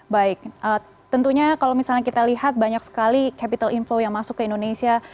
baik tentunya kalau misalnya kita lihat banyak sekali capital inflow yang masuk ke indonesia